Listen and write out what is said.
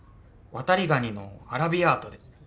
ワタリガニのアラビアータで。